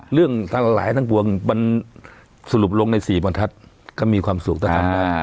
เรื่องหลายทั้งปวงมันสรุปลงใน๔บรรทัศน์ก็มีความสุขต่าง